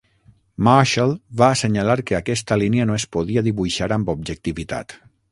Marshall va assenyalar que aquesta línia no es podia dibuixar amb objectivitat.